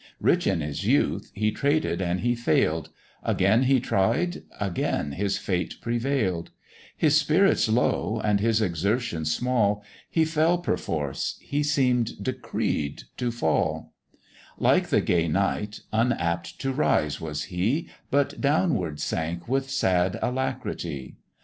Rich in his youth, he traded and he fail'd; Again he tried, again his fate prevail'd; His spirits low, and his exertions small, He fell perforce, he seem'd decreed to fall: Like the gay knight, unapt to rise was he, But downward sank with sad alacrity.